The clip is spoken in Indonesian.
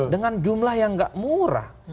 dengan jumlah yang gak murah